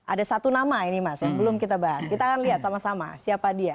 ada satu nama ini mas yang belum kita bahas kita akan lihat sama sama siapa dia